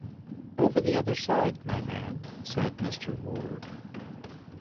"Over the other side, my man," said Mr. Ward.